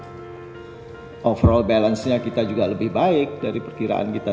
ya baik dari sisi inflasi dari sisi current account overall balance nya kita juga lebih baik dari perkiraan kita